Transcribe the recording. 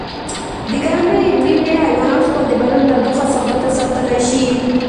د ګرمې وینې حیوانات خپل د بدن تودوخه ثابته ساتلی شي